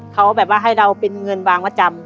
เขาแบบว่าให้เราเป็นเงินวางประจำ